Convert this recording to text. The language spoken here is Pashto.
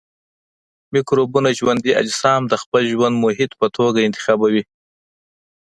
مکروبونه ژوندي اجسام د خپل ژوند محیط په توګه انتخابوي.